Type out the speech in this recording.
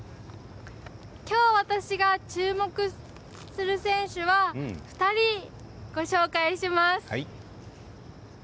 きょう私が注目する選手２人ご紹介します。